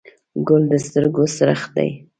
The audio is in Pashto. ګل د سترګو سړښت دی.